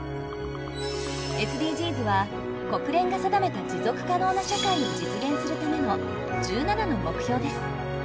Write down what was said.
ＳＤＧｓは国連が定めた持続可能な社会を実現するための１７の目標です。